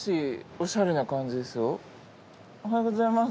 おはようございます。